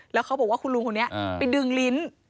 แล้วเขาบอกว่าคุณลุงคนนี้ไปดึงลิ้น